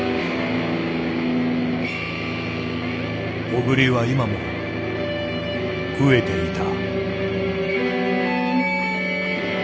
小栗は今も飢えていた。